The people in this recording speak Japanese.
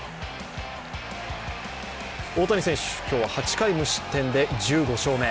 大谷選手、今日は８回無失点で１５勝目。